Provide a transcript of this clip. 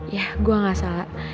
yah gua ga salah